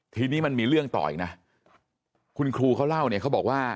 ทีนี้มันมีเรื่องต่ออีกนะคุณครูเขาเล่าเนี่ยเขาบอกว่า